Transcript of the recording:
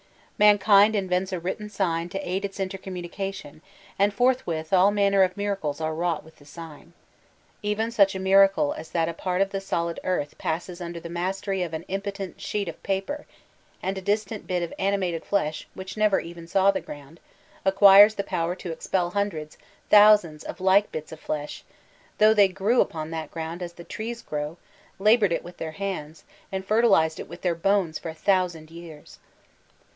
Bianldnd invents a written sign to aid its in t e r con m iu nication; and forthwith all manner of miracles are wroqgfat with the sign. Even such a miracle as that a part of the solid earth passes under the mastery of an ii o p ott nt sheet of paper ; and a distant bit of animated 260 VOLTAIRINB DB ClEYKB flesh which never even saw the ground^ acquires the power to expel hundreds, thousands, of like bits of flesh, though they grew upon that ground as the trees grow, labored it with their hands, and fertilized it with their bones for a thousand years.